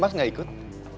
mas gak ikut